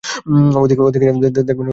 ওদিকে যান, দেখবেন খোলা মাঠে ঘুরে বেড়াচ্ছে।